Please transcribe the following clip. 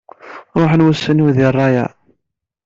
Ruḥen wussan-iw di rrayeɛ.